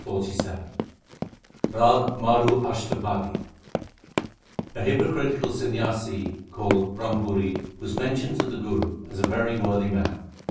RAG MARU ASHTAPADI A hypocritical Sanyasi called Brahmpuri was mentioned to the Guru as a very worthy man.